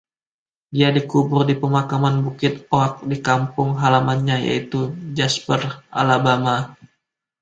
Dia dikubur di Pemakanan Bukit Oak di kampung halamannya, yaitu Jasper, Alabama.